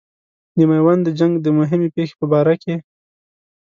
د میوند د جنګ د مهمې پیښې په باره کې.